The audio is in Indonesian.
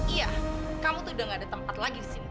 iya kamu tuh udah gak ada tempat lagi di sini